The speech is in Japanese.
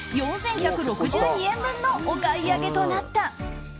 ４１６２円分のお買い上げとなった。